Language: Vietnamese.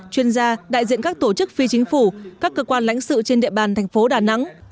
chuyên gia đại diện các tổ chức phi chính phủ các cơ quan lãnh sự trên địa bàn thành phố đà nẵng